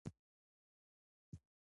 که پوهه عملي شي، ستونزې حل کېږي.